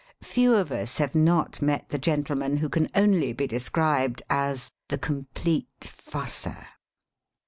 Few of us have not met the gentleman who can only be described as "the complete fusser."